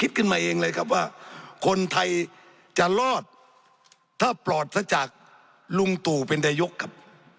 คิดขึ้นมาเองเลยครับว่าคนไทยจะรอดถ้าปลอดศักดิ์จากลุงตู่เป็นระยุกต์ครับ